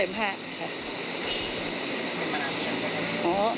เป็นมันอันยังไง